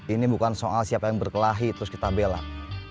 ini bukan soal siapa yang berkelahi terus kita belak